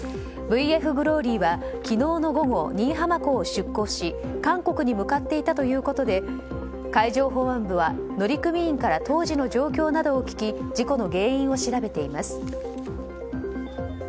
「ＶＦＧＬＯＲＹ」は昨日の午後新居浜港を出港し韓国に向かっていたということで海上保安部は乗組員から当時の状況などを聞き事故の原因を調べています。